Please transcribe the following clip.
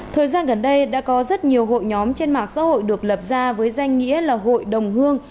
thời gian gần đây đã có rất nhiều hội nhóm trên mạng xã hội được lập ra với danh nghĩa là hội đồng hương